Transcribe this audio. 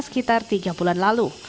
sekitar tiga bulan lalu